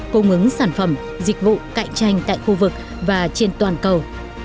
cung ứng sản phẩm dịch vụ cạnh tranh tại khu vực và trên toàn cầu